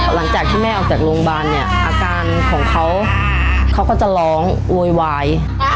หลังจากที่แม่ออกจากโรงพยาบาลเนี่ยอาการของเขาเขาก็จะร้องโวยวาย